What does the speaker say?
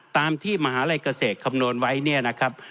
ตามที่มหาลัยเกษตรคำนวณไว้เนี่ยนะครับ